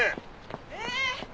えっ！